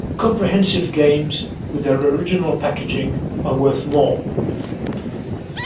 Comprehensive games with their original packaging are worth more.